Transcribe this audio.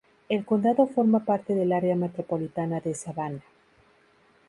El condado forma parte del área metropolitana de Savannah.